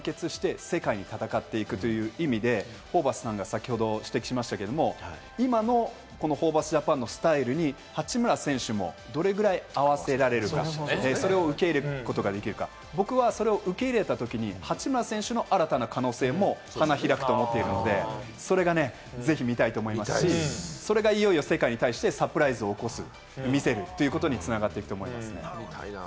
ただ大事なのは、やはり日本が一致団結して世界に戦っていくという意味で、ホーバスさんが先ほど指摘しましたけれど、今のホーバスＪＡＰＡＮのスタイルに八村選手もどれぐらい合わせられるか、それを受け入れることができるか、僕はそれを受け入れたときに、八村選手の新たな可能性も花開くと思っているので、それがぜひ見たいと思いますし、それがいよいよ世界に対してサプライズを起こす、見せるということで、繋がっていくと思います。